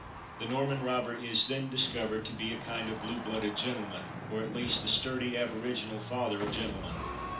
The Norman robber is then discovered to be a kind of blue blooded gentleman, or at least the sturdy, aboriginal father of gentlemen.